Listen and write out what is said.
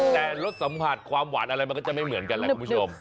แต่รสสัมผัสความหวานอะไรมันก็จะไม่เหมือนกันแหละคุณผู้ชม